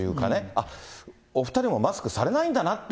あっ、お２人もマスクされないんだなって